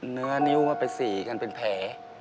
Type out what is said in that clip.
เนื้อนิ้วไปสีกันเป็นแผล